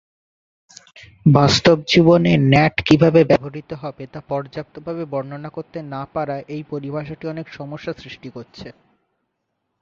বাস্তব জীবনে ন্যাট কিভাবে ব্যবহৃত হবে তা পর্যাপ্ত ভাবে বর্ণনা করতে না পারায় এই পরিভাষাটি অনেক সমস্যা সৃষ্টি করেছে।